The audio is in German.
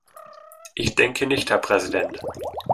Ich denke nicht, Herr Präsident.